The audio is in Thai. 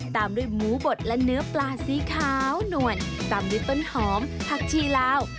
ตามด้วยหมูบดและเนื้อปลาสีขาวนวลตามด้วยต้นหอมผักชีลาว